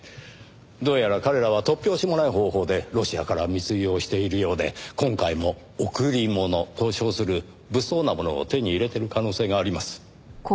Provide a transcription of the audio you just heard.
どうやら彼らは突拍子もない方法でロシアから密輸をしているようで今回も「贈り物」と称する物騒なものを手に入れてる可能性があります。